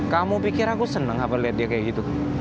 kamu pikir aku seneng apa lihat dia kayak gitu